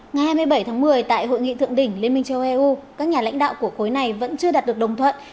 ngày hai mươi bảy tháng một mươi tại hội nghị thượng đỉnh liên minh châu âu các nhà lãnh đạo của khối này vẫn chưa đạt được đồng thuận